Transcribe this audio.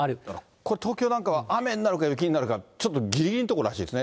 これ、東京なんかは雨になるか、雪になるか、ちょっとぎりぎりのところらしいですね。